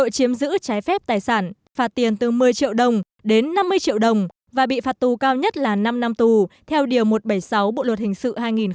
chiếm giữ trái phép tài sản phạt tiền từ một mươi triệu đồng đến năm mươi triệu đồng và bị phạt tù cao nhất là năm năm tù theo điều một trăm bảy mươi sáu bộ luật hình sự hai nghìn một mươi năm